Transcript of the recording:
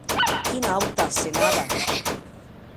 Quina auta asenada!